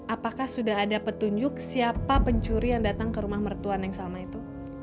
apakah sudah ada petunjuk siapa pencuri yang datang ke rumah mertua neng salma itu